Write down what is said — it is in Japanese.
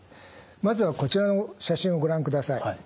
まずはこちらの写真をご覧ください。